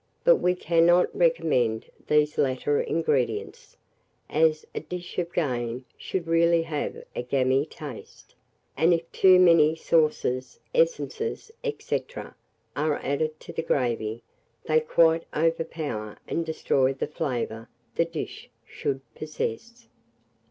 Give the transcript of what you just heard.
but we cannot recommend these latter ingredients, as a dish of game should really have a gamy taste; and if too many sauces, essences, &c., are added to the gravy, they quite overpower and destroy the flavour the dish should possess.